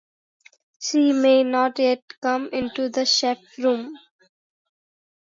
She may not yet come into the chief room.